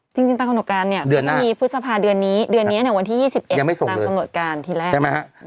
จริงตามกำหนดการเนี่ยก็จะมีพฤษภาเดือนนี้เดือนนี้เนี่ยวันที่๒๑ตามกำหนดการทีแรกใช่ไหมฮะ